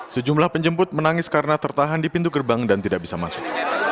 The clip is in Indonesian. sejumlah penjemput menangis karena tertahan di pintu gerbang dan tidak bisa masuk